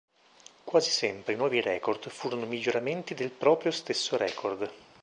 Quasi sempre i nuovi record furono miglioramenti del proprio stesso record.